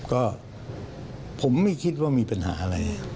ก็ผมไม่คิดว่ามีปัญหาอะไร